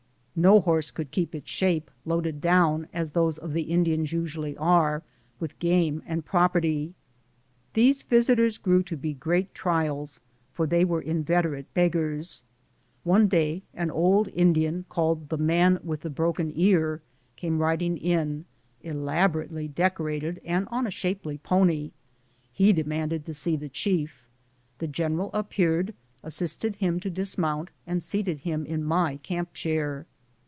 No horse could keep its shape loaded down, as those of the Indians usually are, with game and property. These visitors grew to be great trials, for they were inveterate beggars. One day an old Indian, called " The Man with the Broken Ear," came riding in, elaborately decorated and on a shapely pony. lie demanded to see the chief. The general appeared, assisted him to dismount, and seated him in my camp chair.